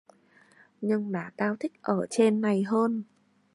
Nhưng mà tao thích ở trên này hơn